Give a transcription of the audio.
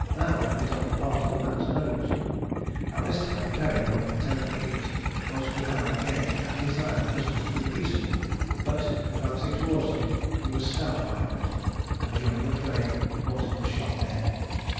Lowther bit off part of a man's nose. At this time, Perry, one of the turnkeys, was without the gate, and desired the prisoners to be peaceable; but, advancing towards them, he was stabbed by Houghton, and, during the fray, Houghton was shot dead.